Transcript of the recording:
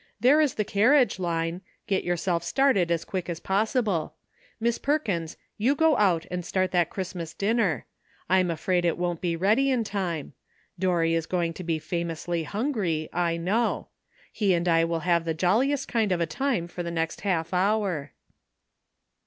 There is the car riage, Line; get yourself started as quick as possible. Miss Perkins, you go out and start that Christmas dinner. I am afraid it won't be ready in time. Dorry is going to be famously hungry, I know. He and I will have the jolli est kind of a time for the next half hour."